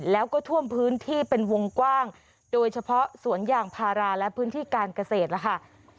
แล้วก็ท่วมพื้นที่เป็นวงกว้างโดยเฉพาะสวนยางพาราและพื้นที่การเกษตรแล้วค่ะ